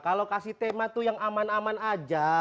kalau kasih tema tuh yang aman aman aja